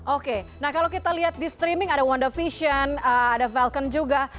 oke nah kalau kita lihat di streaming ada wonder vision ada falcon juga